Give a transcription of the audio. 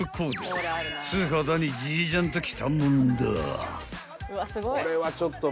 ［素肌にジージャンときたもんだ］